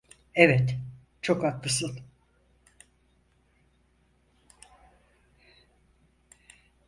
Evet, çok haklısın.